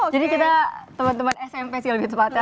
jadi kita temen temen smp sih lebih tepatnya